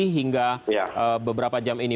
hingga beberapa jam ini